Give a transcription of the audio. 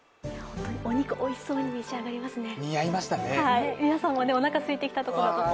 本当にお肉、おいそうに召し上がりますね。